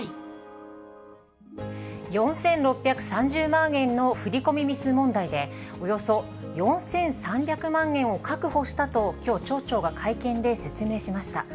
４６３０万円の振り込みミス問題で、およそ４３００万円を確保したときょう、町長が会見で説明しました。